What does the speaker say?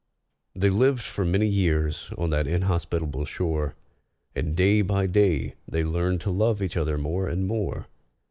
They lived for many years on that inhospitable shore, And day by day they learned to love each other more and more.